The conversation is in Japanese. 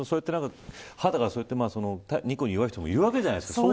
肌が日光に弱い人もいるわけじゃないですか。